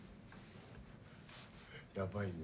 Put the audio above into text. やばいよ。